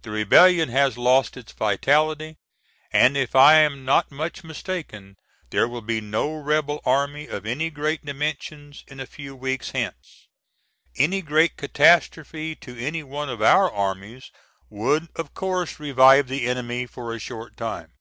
The rebellion has lost its vitality and if I am not much mistaken there will be no rebel army of any great dimensions in a few weeks hence. Any great catastrophe to any one of our armies would of course revive the enemy for a short time.